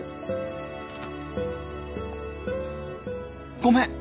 「ごめん！」